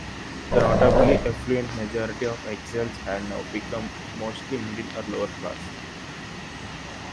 The notably affluent majority of exiles had now become mostly middle or lower class.